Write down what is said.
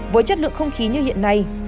với chất lượng không khí như hiện nay